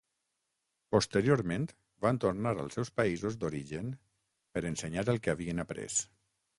Posteriorment, van tornar als seus països d'origen per ensenyar el que havien après.